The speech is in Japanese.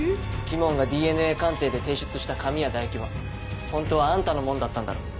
鬼門がＤＮＡ鑑定で提出した髪や唾液はホントはあんたのもんだったんだろ。